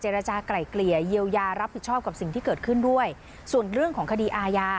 ทราบสุดท้าย